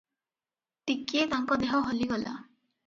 ଟିକିଏ ତାଙ୍କ ଦେହ ହଲିଗଲା ।